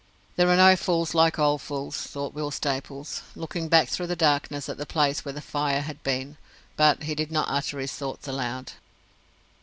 "There are no fools like old fools," thought Will Staples, looking back through the darkness at the place where the fire had been, but he did not utter his thoughts aloud.